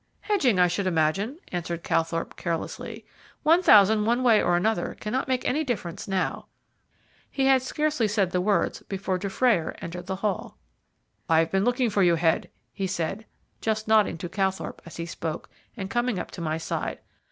"Hedging, I should imagine," answered Calthorpe carelessly. "One thousand one way or the other cannot make any difference now." He had scarcely said the words before Dufrayer entered the hall. "I have been looking for you, Head," he said, just nodding to Calthorpe as he spoke, and coming up to my side.